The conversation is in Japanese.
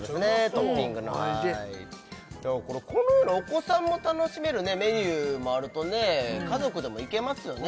トッピングのはいこのようなお子さんも楽しめるメニューもあると家族でも行けますよね